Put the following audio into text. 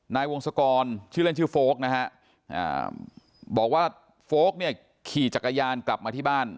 นายวงศกรชื่อเล่นชื่อโฟลกนะฮะบอกว่าโฟลกเนี่ยขี่จักรยานกลับมาที่บ้าน